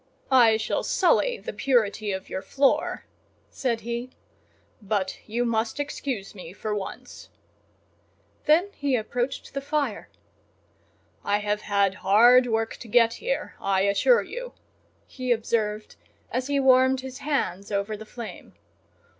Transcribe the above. "I shall sully the purity of your floor," said he, "but you must excuse me for once." Then he approached the fire. "I have had hard work to get here, I assure you," he observed, as he warmed his hands over the flame.